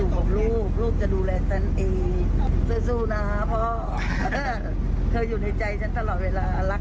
งวดนี้นะพ่อนะคนอินบ๊อบมาถามเยอะมากสอบถามเยอะมาก